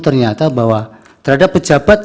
ternyata bahwa terhadap pejabat